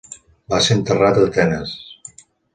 Va ser enterrat a Atenes.